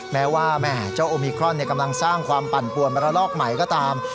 แม้ว่าแม่เจ้าโอมิครอนกำลังสร้างความปั่นปวนมาระลอกใหม่ก็ตาม